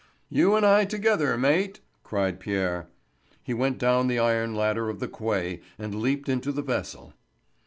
"You and I together, mate," cried Pierre. He went down the iron ladder of the quay and leaped into the vessel.